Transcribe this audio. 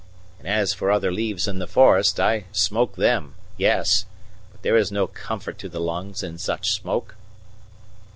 And as for other leaves in the forest, I smoke them, yes; but there is no comfort to the lungs in such smoke."